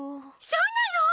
そうなの！？